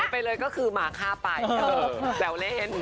ไปเลยก็คือหมาฆ่าไปแซวเล่น